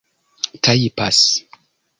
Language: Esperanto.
tajpas